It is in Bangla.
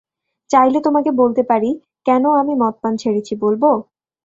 চাইলে তোমাকে বলতে পারি কেন আমি মদপান ছেড়েছি, বলব?